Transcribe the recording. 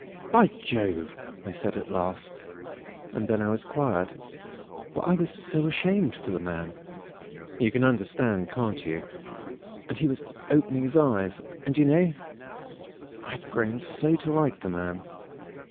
"'By Jove!' I said at last, and then I was quiet; for I was so ashamed for the man. You can understand, can't you. And he was opening his eyes. And, you know, I had grown so to like the man.